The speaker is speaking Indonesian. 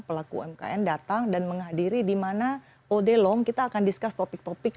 pelaku umkm datang dan menghadiri dimana all day long kita akan discuss topik topik